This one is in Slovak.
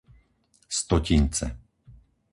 Stotince